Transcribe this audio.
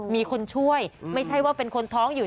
มีคนช่วยไม่ใช่ว่าเป็นคนท้องอยู่